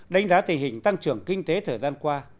đánh giá tình hình tăng trưởng kinh tế thời gian qua